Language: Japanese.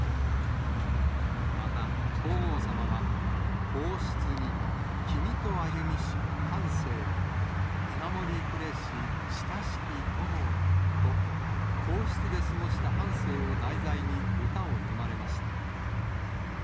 また、皇后さまは、皇室に君と歩みし半生を見守りくれし親しき友らと、皇室で過ごした半生を題材に、歌を詠まれました。